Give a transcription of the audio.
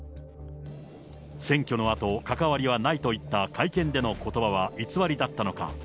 選挙のあと、関わりはないと言った会見でのことばは偽りだったのか。